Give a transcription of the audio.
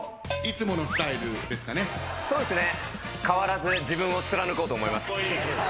そうですね。